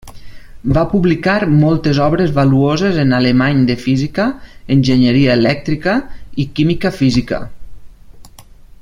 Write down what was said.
Va publicar moltes obres valuoses en alemany de física, enginyeria elèctrica i química física.